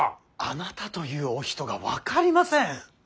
あなたというお人が分かりません。